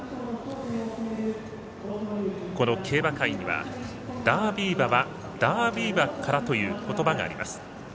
この競馬界には「ダービー馬はダービー馬から」ということばがあります。